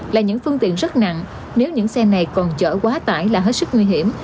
là những phương tiện rất nặng nếu những xe này còn chở quá tải là hết sức nguy hiểm